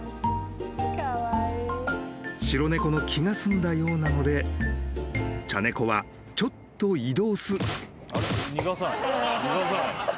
［白猫の気が済んだようなので茶猫はちょっと移動］